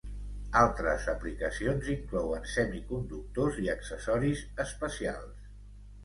Altres aplicacions inclouen semiconductors i accessoris especials.